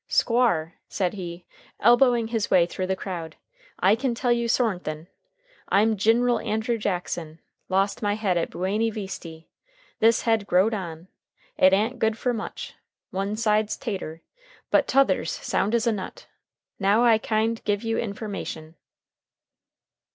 "Squar," said he, elbowing his way through the crowd, "I kin tell you sornethin'. I'm Gineral Andrew Jackson. Lost my head at Bueny Visty. This head growed on. It a'n't good fer much. One side's tater. But t'other's sound as a nut. Now, I kind give you information."